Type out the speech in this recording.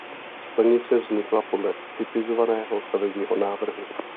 Stanice vznikla podle typizovaného stavebního návrhu.